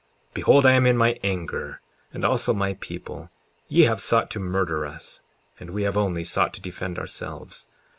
54:13 Behold, I am in my anger, and also my people; ye have sought to murder us, and we have only sought to defend ourselves.